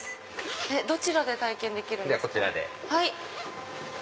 どちらで体験できるんですか？